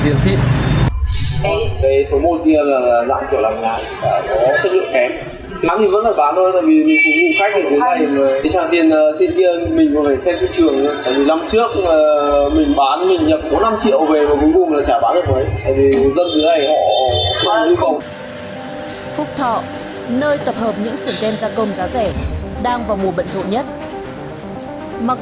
đường sữa tổng thống là cái sữa bột là phải nhập